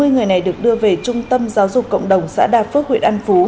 bốn mươi người này được đưa về trung tâm giáo dục cộng đồng xã đà phước huyện an phú